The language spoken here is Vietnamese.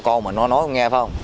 con mà nó nói cũng nghe phải không